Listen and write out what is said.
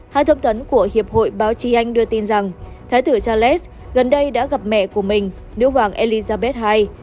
hai thông tấn của hiệp hội báo chi anh đưa tin rằng thái tử charles gần đây đã gặp mẹ của mình nữ hoàng elizabeth ii